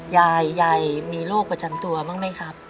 ยายยายมีโรคประจำตัวบ้างไหมครับ